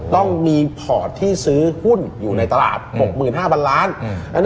ต้องมีพอร์ตที่ซื้อหุ้นอยู่ในตลาด๖๕๐๐๐ล้าน